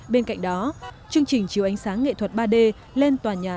bên cạnh đó chương trình chiều ánh sáng nghệ thuật ba d lên tòa nhà